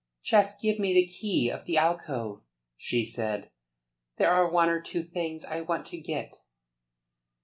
"Just give me the key of the alcove," she said. "There are one or two things I want to get."